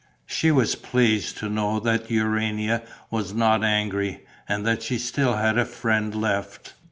She was pleased to know that Urania was not angry and that she still had a friend left.